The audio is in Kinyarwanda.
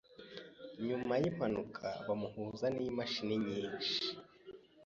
Nyuma yimpanuka, bamuhuza nimashini nyinshi.